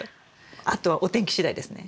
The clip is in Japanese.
あとはお天気しだいですね。